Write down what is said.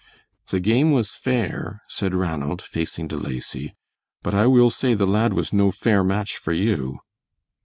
"The game was fair," said Ranald, facing De Lacy, "but I will say the lad was no fair match for you!"